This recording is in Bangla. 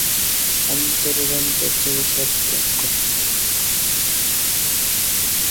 অন্তরের অন্তর থেকে সব ত্যাগ কর।